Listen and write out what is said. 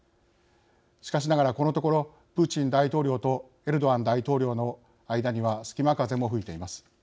しかしながら、このところプーチン大統領とエルドアン大統領の間には隙間風も吹いています。